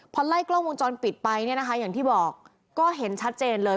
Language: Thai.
พอไล่กล้องวงจรปิดไปเนี่ยนะคะอย่างที่บอกก็เห็นชัดเจนเลย